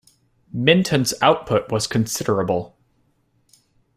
Minton's output was considerable.